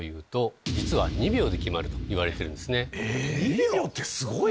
２秒ってすごいな。